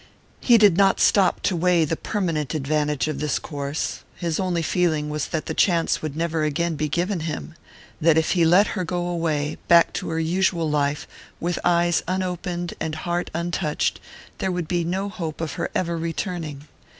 He did not stop to weigh the permanent advantage of this course. His only feeling was that the chance would never again be given him that if he let her go away, back to her usual life, with eyes unopened and heart untouched, there would be no hope of her ever returning.